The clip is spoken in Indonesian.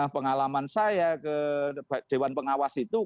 pengalaman saya ke dewan pengawas itu